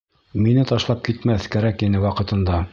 Мине ташлап китмәҫ кәрәк ине ваҡытында!